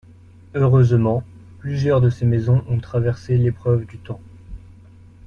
Heureusement, plusieurs de ces maisons ont traversé l'épreuve du temps.